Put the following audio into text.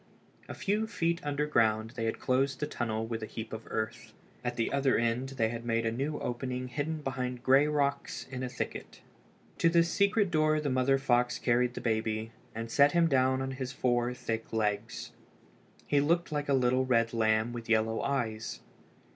A few feet underground they had closed the tunnel with a heap of earth. At the other end they had made a new opening hidden behind gray rocks in a thicket. To this secret door the mother fox carried the baby, and set him down on his four thick legs. He looked like a little red lamb with yellow eyes.